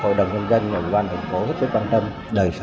hội đồng nhân dân ở vùng đoàn thành phố rất quan tâm đời sống đồng bào